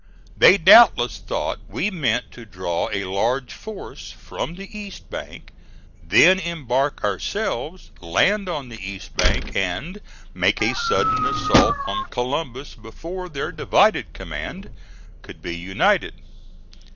They doubtless thought we meant to draw a large force from the east bank, then embark ourselves, land on the east bank and make a sudden assault on Columbus before their divided command could be united.